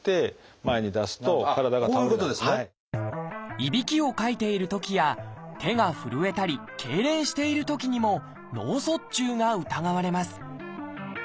いびきをかいているときや手が震えたりけいれんしているときにも脳卒中が疑われます。